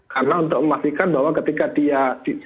karena untuk memastikan bahwa ketika dia